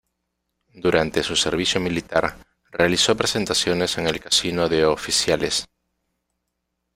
Durante su servicio militar, realizó presentaciones en el casino de oficiales.